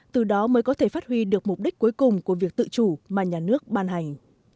từ đó mới có thể phát huy được mục đích cuối cùng của việc tự chủ mà nhà nước ban hành